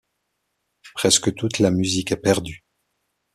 Presque toute la musique est perdue.